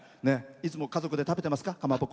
いつも家族で食べてますか？